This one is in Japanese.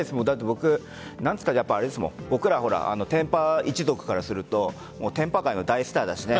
僕らやっぱり天パ一族からすると天パ界の大スターだし。